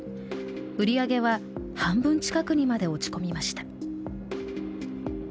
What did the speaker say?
売り上げは半分近くにまで落ち込みました。